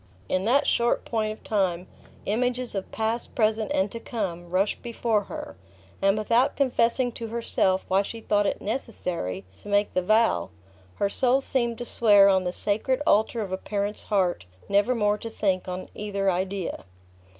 In that short point of time, images of past, present, and to come, rushed before her; and without confessing to herself why she thought it necessary to make the vow, her soul seemed to swear on the sacred altar of a parent's heart, never more to think on either idea.